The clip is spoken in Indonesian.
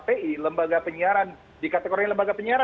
p tiga sps apakah nanti serta merta